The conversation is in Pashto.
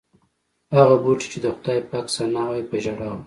هغه بوټي چې د خدای پاک ثنا وایي په ژړا و.